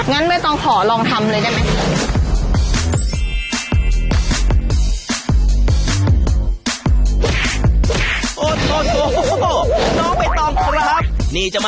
ไม่ต้องขอลองทำเลยได้ไหม